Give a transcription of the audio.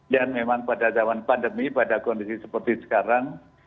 dan memang pada zaman pandemi pada kondisi seperti sekarang